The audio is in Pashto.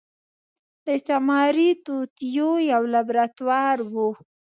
د استعماري توطيو يو لابراتوار و.